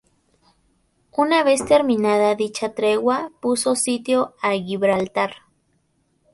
Una vez terminada dicha tregua, puso sitio a Gibraltar.